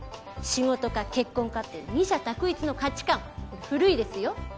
仕事か結婚かって二者択一の価値観古いですよ。